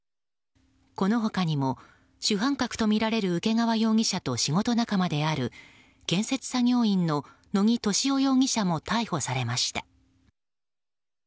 この他にも主犯格とみられる請川容疑者と仕事仲間である建設作業員の野木俊夫容疑者も逮捕されました。